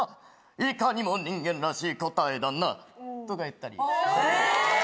いかにも人間らしい答えだな。とか言ったり。